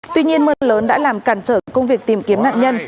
tuy nhiên mưa lớn đã làm cản trở công việc tìm kiếm nạn nhân